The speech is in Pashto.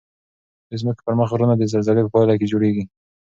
د ځمکې پر مخ غرونه د زلزلې په پایله کې جوړیږي.